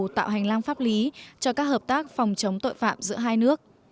tạo hành lang pháp lý cho các hợp tác phòng chống tội phạm giữa hai nước